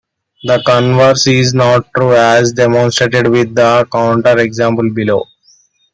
The converse is not true, as demonstrated with the counterexample below.